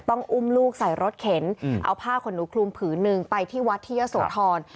ต้องอุ้มลูกใส่รถเข็นเอาผ้าขนหนูคลุมผืนหนึ่งไปที่วัดที่เยอะโสธร